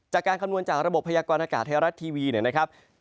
คำนวณจากระบบพยากรณากาศไทยรัฐทีวีเนี่ยนะครับ